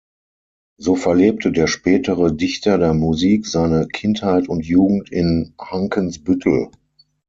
So verlebte der spätere Dichter der Musik seine Kindheit und Jugend in Hankensbüttel.